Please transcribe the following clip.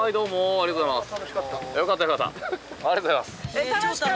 ありがとうございます。